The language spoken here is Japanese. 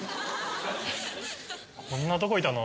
こんなとこいたの？